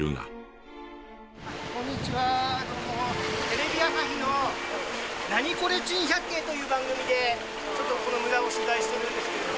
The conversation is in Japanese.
テレビ朝日の『ナニコレ珍百景』という番組でちょっとこの村を取材してるんですけれども。